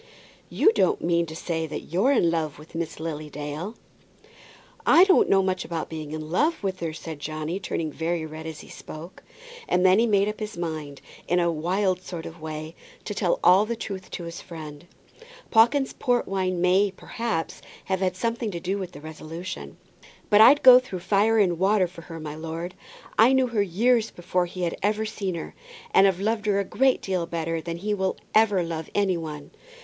"You don't mean to say that you're in love with Miss Lily Dale?" "I don't know much about being in love with her," said Johnny, turning very red as he spoke. And then he made up his mind, in a wild sort of way, to tell all the truth to his friend. Pawkins's port wine may, perhaps, have had something to do with the resolution. "But I'd go through fire and water for her, my lord. I knew her years before he had ever seen her, and have loved her a great deal better than he will ever love any one.